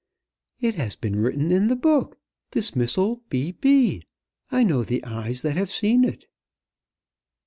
"It has been written in the book! 'Dismissal B. B.!' I know the eyes that have seen it."